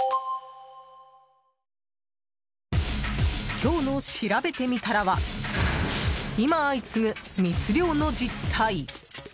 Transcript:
今日のしらべてみたらは今、相次ぐ密漁の実態。